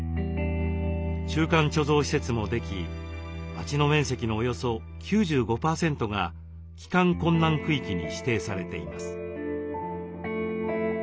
中間貯蔵施設もでき町の面積のおよそ９５％が帰還困難区域に指定されています。